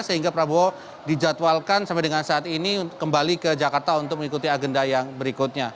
sehingga prabowo dijadwalkan sampai dengan saat ini kembali ke jakarta untuk mengikuti agenda yang berikutnya